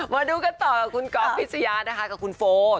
มาดูกันต่อคุณก๊อฟพิชยานะคะกับคุณโฟ